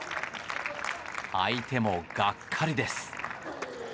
相手もがっかりです。